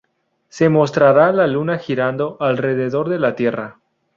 Se mostrará la Luna girando alrededor de la Tierra.